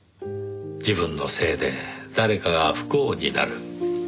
自分のせいで誰かが不幸になる。